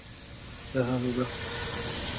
现已退隐歌坛。